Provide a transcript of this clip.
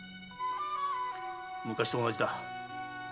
昔と同じだ。